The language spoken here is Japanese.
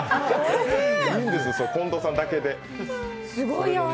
いいんです、近藤さんだけで。